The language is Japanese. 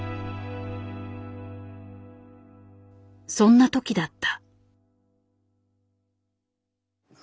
そんな時だった。